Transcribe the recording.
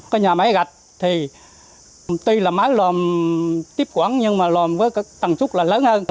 cái nhà máy gạch thì tuy là máy lòm tiếp quán nhưng mà lòm với tầng trúc là lớn hơn